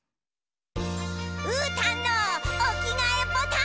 うーたんのおきがえボタン。